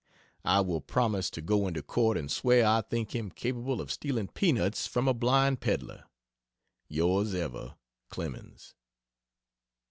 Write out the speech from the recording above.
I will promise to go into court and swear I think him capable of stealing pea nuts from a blind pedlar. Yrs ever, CLEMENS.